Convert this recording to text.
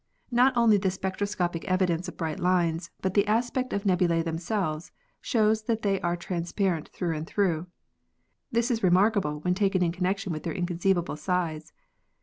Not only the spectroscopic evidence of bright lines, but the aspect of nebulae themselves shows that they are trans parent through and through. This is remarkable when taken in connection with their inconceivable size.